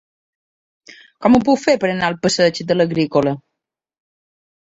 Com ho puc fer per anar al passeig de l'Agrícola?